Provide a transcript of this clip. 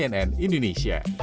sampai jumpa di video selanjutnya